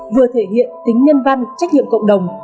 vừa thể hiện tính nhân văn trách nhiệm cộng đồng